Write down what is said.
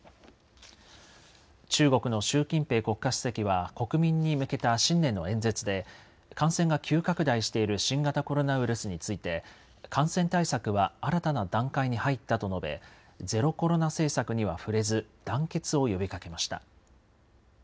中国の習近平国家主席は、国民に向けた新年の演説で、感染が急拡大している新型コロナウイルスについて、感染対策は新たな段階に入ったと述べ、ゼロコロナ政策には触れず、団結を呼びかけました。